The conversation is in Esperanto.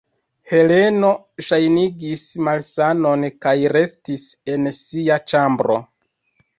Heleno ŝajnigis malsanon kaj restis en sia ĉambro.